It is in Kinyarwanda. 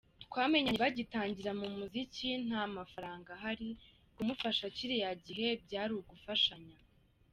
Twamenyanye bagitangira mu muziki, nta mafaranga ahari, kumufasha…kiriya gihe byari ugufashanya.